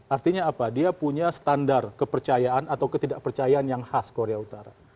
artinya apa dia punya standar kepercayaan atau ketidakpercayaan yang khas korea utara